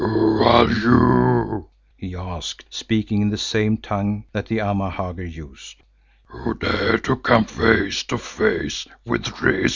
"Who are you?" he asked, speaking in the same tongue that the Amahagger use, "who dare to come face to face with Rezu?